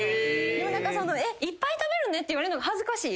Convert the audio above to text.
でもいっぱい食べるねって言われるのが恥ずかしい。